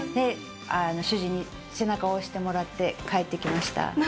主人に背中を押してもらって帰ってきました。